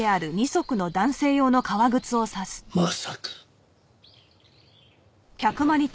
まさか。